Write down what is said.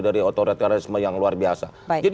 dari otoritas karakterisme yang luar biasa